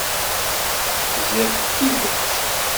Ziɣ d tidet.